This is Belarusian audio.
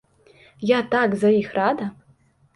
Я так за іх рада.